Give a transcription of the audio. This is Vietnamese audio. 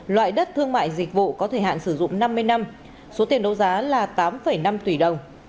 loại đất thương mại dịch vụ có thời hạn sử dụng năm mươi năm số tiền đấu giá là tám năm tỷ đồng